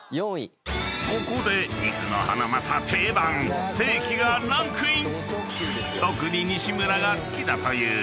［ここで肉のハナマサ定番ステーキがランクイン！］